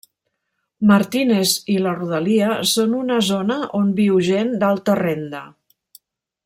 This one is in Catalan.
Martínez i la rodalia són una zona on viu gent d'alta renda.